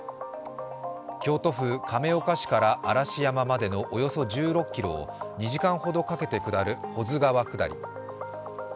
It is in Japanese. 京都府亀岡市から嵐山までのおよそ１６ｋｍを２時間ほどかけて下る保津川下り。